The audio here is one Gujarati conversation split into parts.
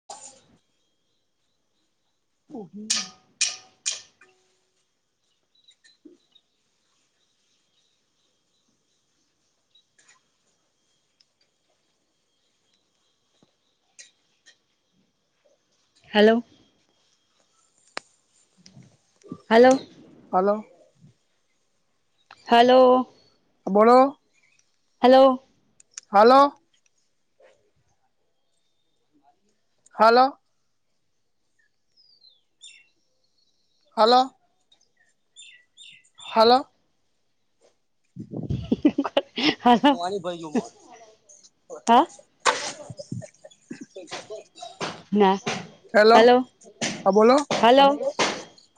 [inaudible] હ [unintelligible] હેલો! હેલો! હલો! હલોઓ! બોલો. લો. હલો. હલો. Hello hello. [inaudible] [inaudible] હું આની ભાઈ હા ગય [unintelligible] ના હલો હા બોલો હલો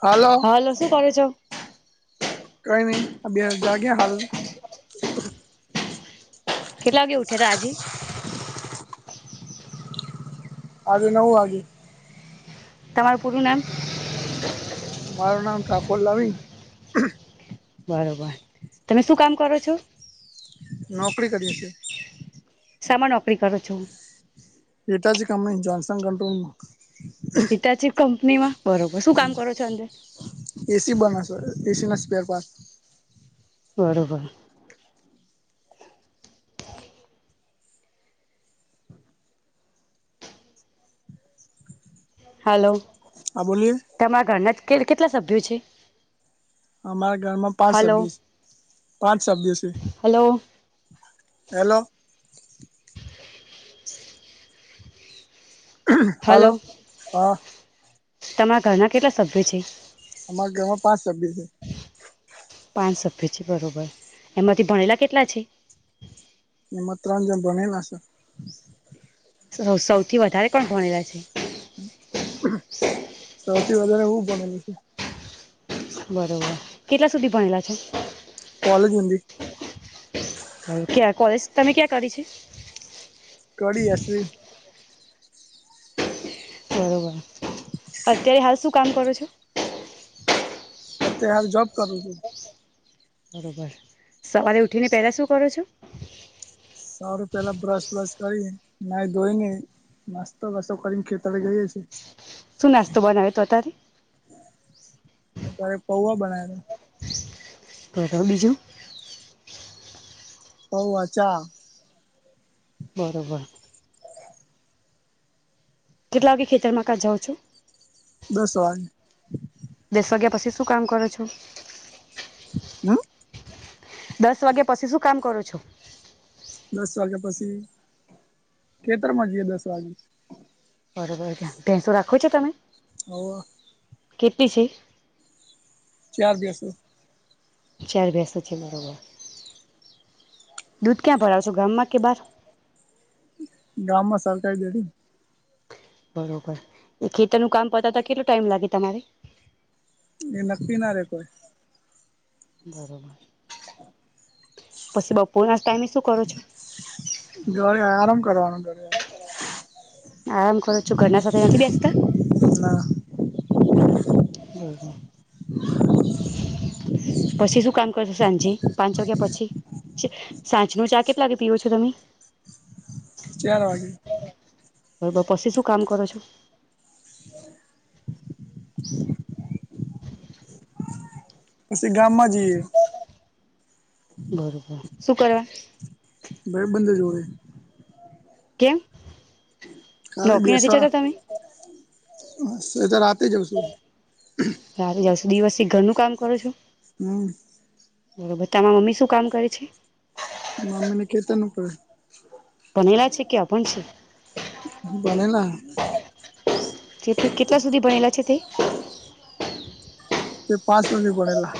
હાલો હલો શું કરે છો કોઈ નઈ અ બે જાગ હાલ કેટલા વાગે ઉઠ્યા હતા આજી આજ નવ આ તમાર પરુ નામ મારું નામ ઠાકોર લમી બરોબર તમે શું કામ કરો છો? નોકરી કરીએ છે. સામા નોકરી કરું છુંહું. હેતાજ કંપની જનસંગ કંટ્રોલમા હિતા ચ કમ પત્નીમાં બરોબર શું કામ કરો છો અંદે એ સી બનાશો એ સી ના સ્ર પણ ગરોબર હલો હા બોલીએ તમા ઘણ જ કે કેટલા સભ્યો છે. અમારા ઘરમાં પાંચ હલો સભ પાંચ સભ સે હલો એ લો હલો હા તમારા ઘરના કેટલા સભ્યો છે. અમારા ઘરમાં પાંચ સભ્ય છે. પાંચ છે બરોબર એમાંથી ભણેલા કેટલા છે? એમા તન જન ભનેલા છે. ર સૌથી વધારે કોણ ભણેલા છે? [inaudible] સૌથી વધારે હું ભણેલું છે બરોબર કેટલા સુધી ભણેલા છે કોલેજ મી હ ક્યાં કોલેજ તમે ક્યાં કરી છે કળી એ સુ બરોબર અત્યારે હાલ શું કામ કરો છો એ તીયારે જોબ કરું શું બરોબર સવારે ઉઠીને પેલા શું કરો છો સાર પેલા બ્રશ બ્રશ કરી ના ધોઈને નાસ્તો વાસ્તો કરીને ખેતડી ગઈ છીએ શું નાસ્તો બનાવે તો અત્યારે અ ત્યારે પૌવા બનાયલા પ્રોક બીજુ હોવ અચ્છા બરોબર કેટલા વાગે ખેતરમાં કાં જાઉં છું દસ વાર દસ વગ્યા પછી શું કામ કરો છો હમ દસ વાગ્યા પછી શું કામ કરો છો દસ વાગ્યા પછી ખેતરમાં જઈએ દસ વાગે બરોબર ભંસો રાખો છો તમે હોવ. કે તી છી. ચાર દિવસો. ચાર બેસો છે બરોબર દૂધ ક્યાં ભરાશો ગામમાં કે બાર. ગામમાં સરકારી દેડી. બરોબર એ ખેતર નું કામ પતાતા કેટલુ ટાઈમ લાગે તમારે. એ નક્કી ના રે કોઈ. બરોબર પછી બપોરના ટાઈમે શું કરો છો. ધરે આરામ કરવાનું દોરે. આરામ કરો છું ઘરના સાથે નથી બેસતા. ના પછી શું કામ કરશો સાંજે પાંચ વાગ્યા પછી સાંજ ન ચા કેટલા વાગે પીવો છો તમે. ચાલ વાગે. બરોબર પછી શું કામ કરો છો. પછી ગામ માં જઈએ. બરોબર શું કરવા. બ બંદ જોડે. કેમ. ખાલી નોકરી નથી બેસવા જતા તમે. એ તો રાત જવશું. દિવસ કે ઘરનું કામ કરો છો. બરોબર તમામાં મમ્મી શું કામ કરે છે. મામીને કે તનું ભનેલા છે કે અભણ ભણેલા છે તે કેટલા સુધી ભનેલા છે તે તે પાંચ હુધી ભણેલા.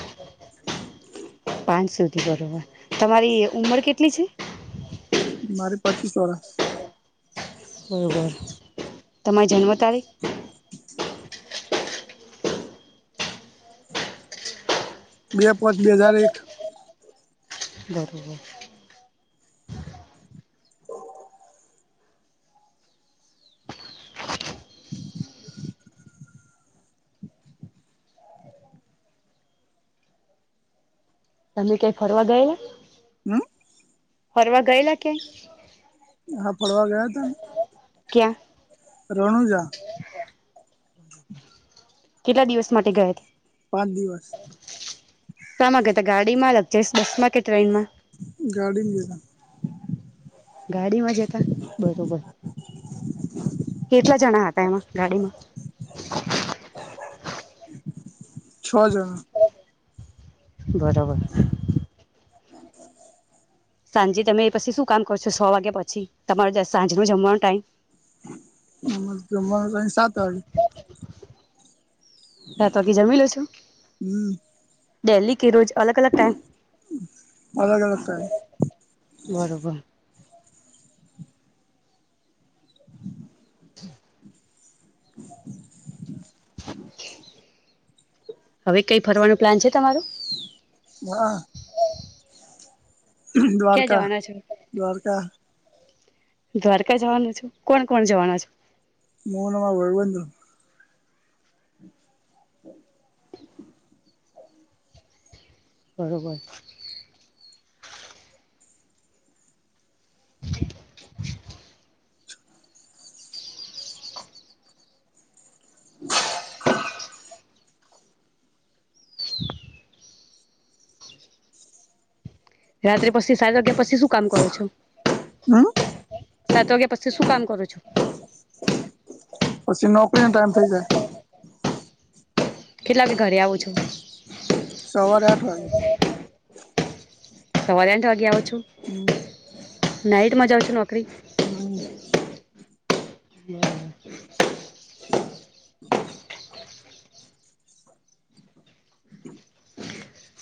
પાંચ સુધી બરોબર તમારી ઉમર કેટલી છે? મારી પચીસ વરસ. બરોબર તમારી જન્મ તારીખ બે પાંચ બે હજાર એક બરોબર. તમે ક્યાય ફરવા ગયેલા હમ ફરવા ગયેલા ક્યાંય? હા ફડવા ગયા હતા. ક્યાં રણુજા. કેટલા દિવસ માટે ગયા? પાંચ દિવસ શામાં ગાતા ગાડી મા [unintelligible] ગાડીમા ગેલા ગાડીમાં જતા બરોબર કેટલા જણા હતા એમાં ગાડીમાં છ જણા બરાબર. [inaudible] સાંજે તમે પછી શું કામ કર છો છ વાગ્યા પછી તમારો સાંજ નો જમવાનો ટાઈમ [inaudible] હા તોકી જમી લો છો હમ ડેલી કે રોજ અલગ અલગ ટાઈમ અલગ અલગ ટાઈમ બરોબર [inaudible] [inaudible] હવે કઈ ફરવાનું પ્લાન છે તમારું? હા ક્યાં દ્વારકા જવાના છો? દ્વારકા દ્વારકા જવાનું છે કોણ કોણ જવાના છ હું અને માર ભાઈબંધો [inaudible] બરોબર. [inaudible] [inaudible] [inaudible] રાત્રે પછી સાત વાગ્યા પછી શું કામ કરો છો હમ સાત વાગ્યા પછી શું કામ કરો છો પછી નોકરીનો ટાઈમ થઇ જાય કેટલા કે ઘરે આવું છું સવારે આઠ વાગે સવારે આઠ વાગ્યા આવો છો હમ શું નાઈટમાં જાવ છો નોકરી હમ [unintelligible] [unintelligible]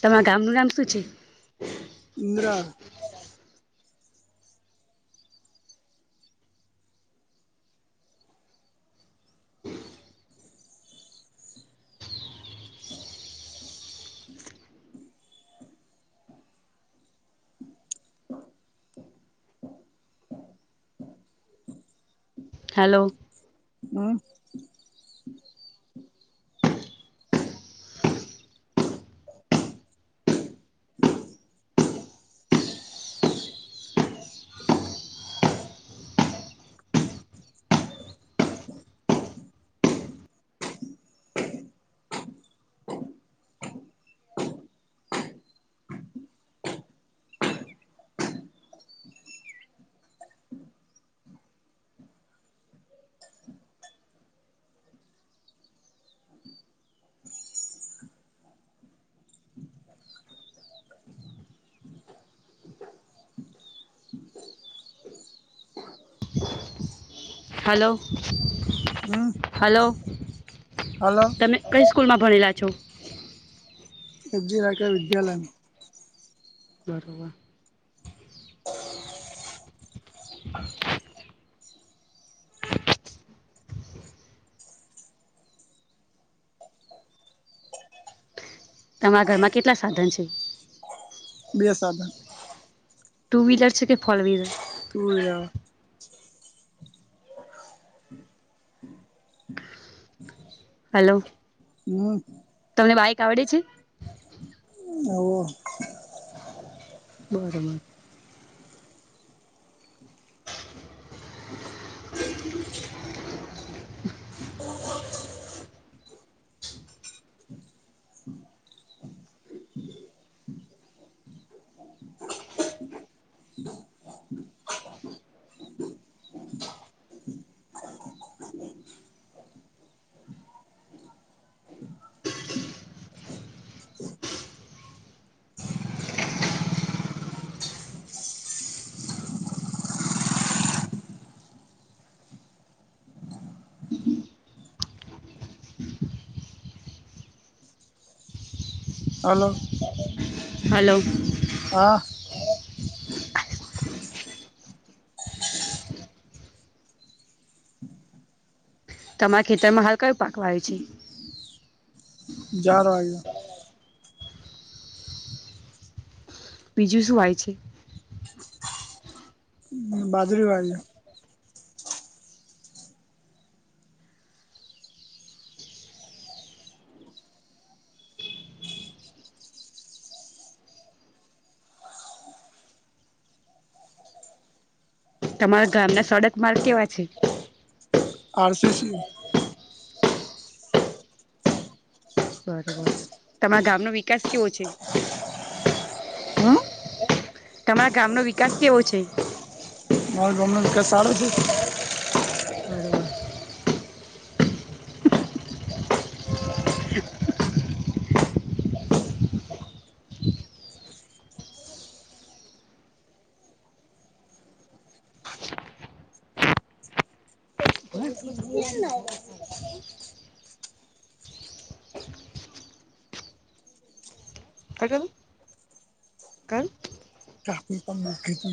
તમારા ગામ નુ નામ શું છે ઈદરા હેલો હમ હલો હમ હ હાલો [inaudible] તમે કઈ સ્કૂલ માં ભણીલા છો હજી રાખ વિદ્યલય બરવા [inaudible] [inaudible] [inaudible] તમારા ઘરમાં કેટલા સાધન છે બે સાધન ટુ વ્હીલર છે કે ફોર વ્હીલર પરા [inaudible] હલો હમ તમને બાઈક આવડે છે આવો બરોબર [inaudible] [inaudible] હલો હલો હા તમારા ખેતરમાં હાલ કયો પાકવા વાવ્યો છે જાર આ બીજું શું હોય છે બાજરી વાવીએ તમારા ગામના સડક માર્ગ કેવા છે પષ [inaudible] બરોબર તમારા ગામ નો વિકાસ કેવો છે હમ તમારા ગામ નો વિકાસ કેવો છે મારા ગામ નો વિકાસ સારો છે બરોબર એ પણ મુખ્ય તએ